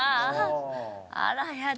あら、やだ。